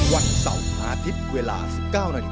วันเสาร์อาทิตย์เวลา๑๙นาที